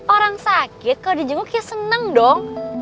orang sakit kalau di jenguk ya seneng dong